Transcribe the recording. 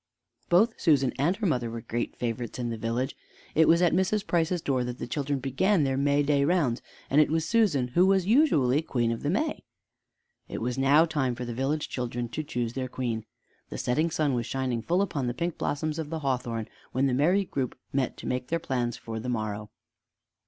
Both Susan and her mother were great favorites in the village. It was at Mrs. Price's door that the children began their Mayday rounds, and it was Susan who was usually Queen of the May. It was now time for the village children to choose their queen. The setting sun was shining full upon the pink blossoms of the hawthorn when the merry group met to make their plans for the morrow.